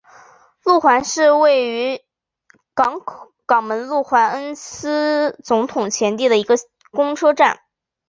路环市区位于澳门路环恩尼斯总统前地的一个公车站。